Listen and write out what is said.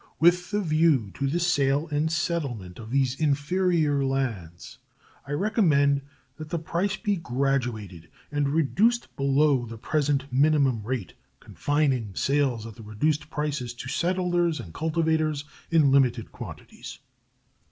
With the view to the sale and settlement of these inferior lands, I recommend that the price be graduated and reduced below the present minimum rate, confining the sales at the reduced prices to settlers and cultivators, in limited quantities.